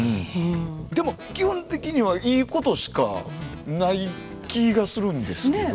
でも基本的にはいいことしかない気がするんですけど。